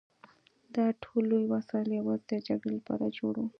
دا ټول لوی وسایل یوازې د جګړې لپاره جوړ وو